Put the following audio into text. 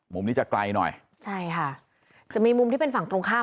มุมนี้จะไกลหน่อยใช่ค่ะจะมีมุมที่เป็นฝั่งตรงข้าม